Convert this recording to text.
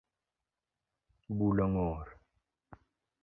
Bulo ngor